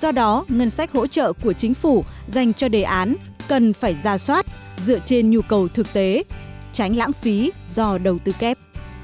do đó ngân sách hỗ trợ của chính phủ dành cho đề án cần phải ra soát dựa trên nhu cầu thực tế tránh lãng phí do đầu tư kép